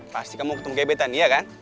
pasti kamu ketemu gebetan iya kan